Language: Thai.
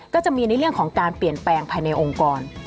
ก็จะมีในเรื่องของการเปลี่ยนแปลงภายในองค์กร